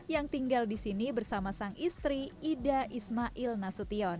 yang tinggal di sini bersama sang istri ida ismail nasution